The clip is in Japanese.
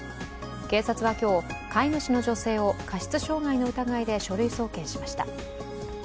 警察は今日、飼い主の女性を過失傷害の疑いで書類送検しました。